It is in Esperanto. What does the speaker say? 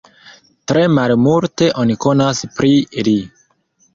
Tre malmulte oni konas pri li.